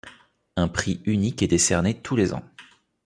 Un prix unique est décerné tous les ans.